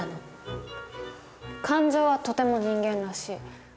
「感情はとても人間らしい」。